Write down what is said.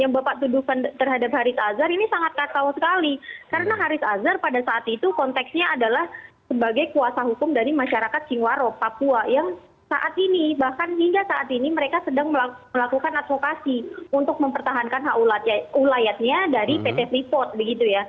bahkan hingga saat ini mereka sedang melakukan advokasi untuk mempertahankan hak ulayatnya dari pt report